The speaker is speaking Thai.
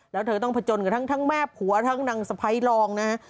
แล้วเธอต้องผจญกับทั้งแม่ผัวทั้งนางสะพ้ายรองนะฮะ